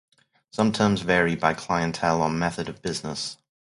Some terms vary by clientele or method of business.